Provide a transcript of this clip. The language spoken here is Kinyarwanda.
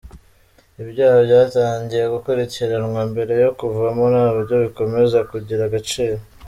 Ibyaha byatangiye gukurikiranwa mbere yo kuvamo nabyo bikomeza kugira agaciro.